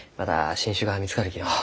新種が見つかるきのう。